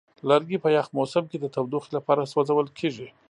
لرګی په یخ موسم کې د تودوخې لپاره سوځول کېږي.